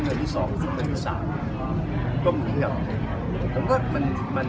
เวลาที่สถานการณ์จังหิวก็จะน่าคิดมาก